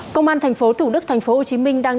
công an tp thủ đức tp hcm đang điều trị